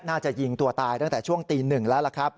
น่าจะยิงตัวตายตั้งแต่ช่วงตี๑แล้ว